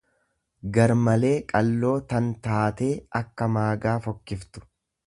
gar malee qalloo tan taatee akka maagaa fokkiftu.